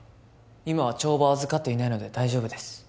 今は帳場を預かっていないので大丈夫です